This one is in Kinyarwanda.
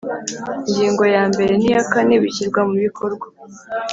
ngingo ya mbere n iya kane bishyirwa mubikorwa